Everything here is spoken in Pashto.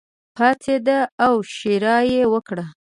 پاڅېده او ښېرا یې وکړه.